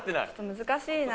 難しいなあ。